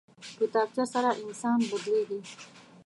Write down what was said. کتابچه سره انسان بدلېږي